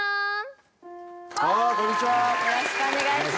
よろしくお願いします。